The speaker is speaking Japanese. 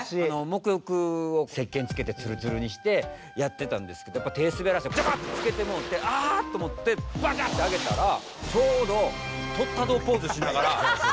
もく浴をせっけんつけてつるつるにしてやってたんですけどやっぱ手滑らせてジャバーンってつけてもうて「あっ！」と思ってバカッて上げたらちょうど「とったどぉポーズ」しながら。